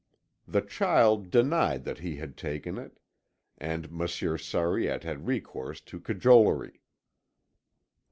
The child denied that he had taken it, and Monsieur Sariette had recourse to cajolery.